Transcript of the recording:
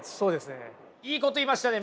いいこと言いましたね。